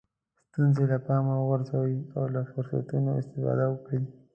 ستونزې له پامه وغورځوئ له فرصتونو استفاده وکړئ.